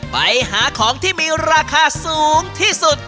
ไปหาของที่มีราคาสูงที่สุด